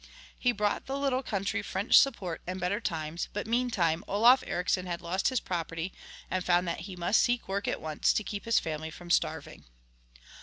He brought the little country French support and better times, but meantime Olof Ericsson had lost his property and found that he must seek work at once to keep his family from starving.